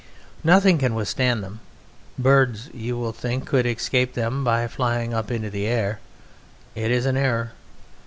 Nothing can withstand them. Birds you will think could escape them by flying up into the air. It is an error.